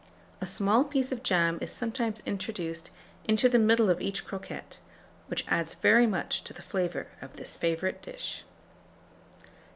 A small piece of jam is sometimes introduced into the middle of each croquette, which adds very much to the flavour of this favourite dish.